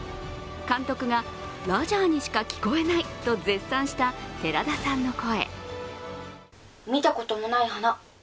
監督がラジャーにしか聞こえないと絶賛した寺田さんの声。